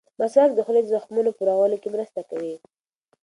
مسواک د خولې د زخمونو په رغولو کې مرسته کوي.